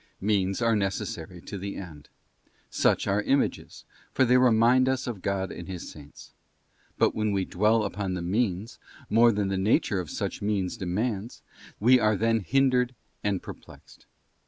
Means are necessary to the end; such are Images, for they remind us of God and of. His Saints. But when we dwell upon the means more than the nature of such means demands, we are then hindered and perplexed.